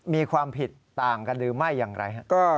มีความผิดต่างกันหรือไม่อย่างไร